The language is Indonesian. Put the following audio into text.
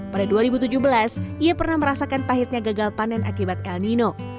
pada dua ribu tujuh belas ia pernah merasakan pahitnya gagal panen akibat el nino